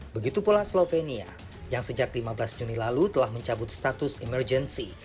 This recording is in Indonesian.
begitu pula slovenia yang sejak lima belas juni lalu telah mencabut status emergency